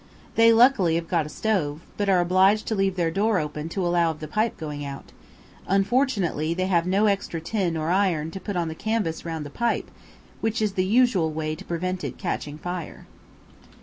They luckily have got a stove, but are obliged to leave their door open to allow of the pipe going out; unfortunately they have no extra tin or iron to put on the canvas round the pipe, which is the usual way to prevent it catching fire.